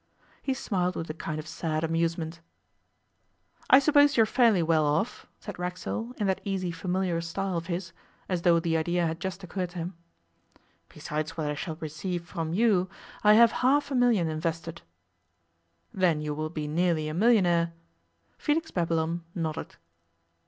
He smiled with a kind of sad amusement. 'I suppose you are fairly well off?' said Racksole, in that easy familiar style of his, as though the idea had just occurred to him. 'Besides what I shall receive from you, I have half a million invested.' 'Then you will be nearly a millionaire?' Felix Babylon nodded.